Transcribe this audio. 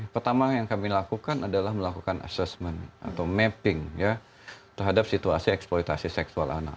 pertama yang kami lakukan adalah melakukan assessment atau mapping terhadap situasi eksploitasi seksual anak